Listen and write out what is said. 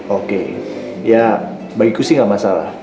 oke ya bagiku sih gak masalah